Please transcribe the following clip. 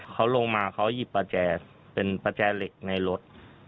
เขาลงมาเขาหยิบประแจเป็นประแจเหล็กในรถ